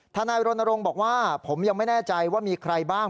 ทนายรณรงค์บอกว่าผมยังไม่แน่ใจว่ามีใครบ้าง